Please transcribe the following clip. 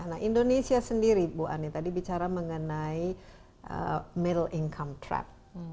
nah indonesia sendiri bu ani tadi bicara mengenai middle income trap